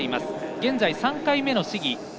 現在、３回目の試技。